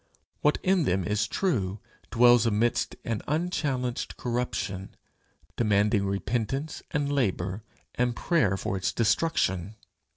What in them is true dwells amidst an unchallenged corruption, demanding repentance and labour and prayer for its destruction.